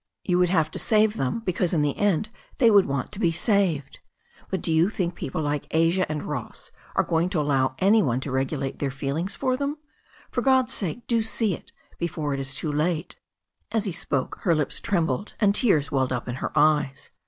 You would have to save them because in the; end they would want to be saved. But do you think people like Asia and Ross are going to allow any one to regulate their feelings for them? For God's sake do see it before it is too late." As he spoke her lips trenibled, and tears welled up in her eyes.